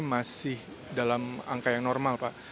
masih dalam angka yang normal pak